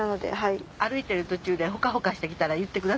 歩いてる途中でホカホカしてきたら言ってくださいね。